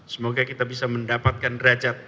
semoga kita bisa mendapatkan derajat